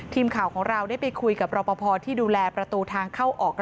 ทีมข่าวของเราได้ไปคุยกับรอปภที่ดูแลประตูทางเข้าออก